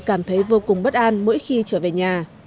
cảm thấy vô cùng bất an mỗi khi trở về nhà